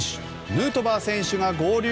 ヌートバー選手が合流。